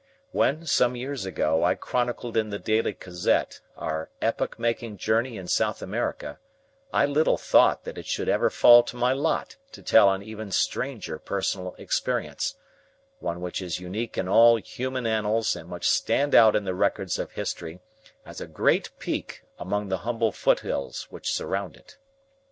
When, some years ago, I chronicled in the Daily Gazette our epoch making journey in South America, I little thought that it should ever fall to my lot to tell an even stranger personal experience, one which is unique in all human annals and must stand out in the records of history as a great peak among the humble foothills which surround it.